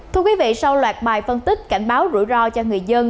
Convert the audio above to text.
thưa quý vị sau loạt bài phân tích cảnh báo rủi ro cho người dân